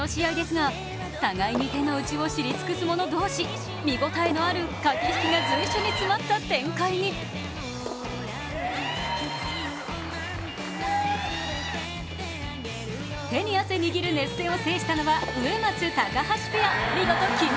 金・銀独占が決まっているこの試合ですが互いに手の内を知り尽くす者同士、見応えのある駆け引きが随所に詰まった展開に手に汗握る熱戦を制したのは、上松・高橋ペア。